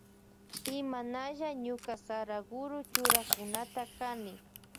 Imanalla ñuka Saraguro churakunata kani.